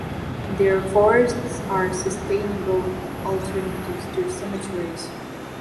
Their forests are sustainable alternatives to cemeteries.